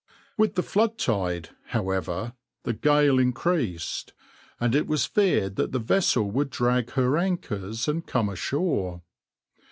With the flood tide, however, the gale increased, and it was feared that the vessel would drag her anchors and come ashore.